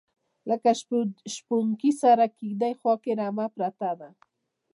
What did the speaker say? لکه شپونکي سره کیږدۍ خواکې رمه پرته ده